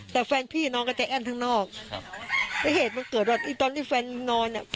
แต่แฟนพี่นอนกับใจแอ้นทั้งนอกครับมันเกิดอะไรตอนที่แฟนนอนอ่ะ